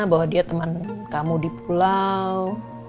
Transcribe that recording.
bahwa dia teman kamu di pulau